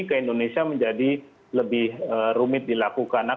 ke indonesia menjadi lebih rumit dilakukan